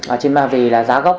ở trên bà vị là giá gốc